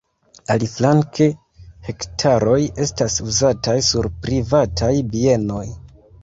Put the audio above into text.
Aliflanke hektaroj estas uzataj sur privataj bienoj.